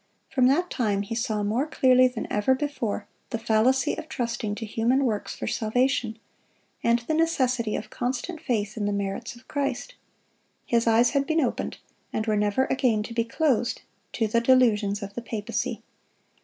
From that time he saw more clearly than ever before the fallacy of trusting to human works for salvation, and the necessity of constant faith in the merits of Christ. His eyes had been opened, and were never again to be closed, to the delusions of the papacy.